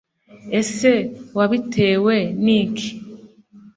Ese wabtewe n’iki?